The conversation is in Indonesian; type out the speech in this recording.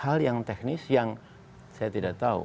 hal yang teknis yang saya tidak tahu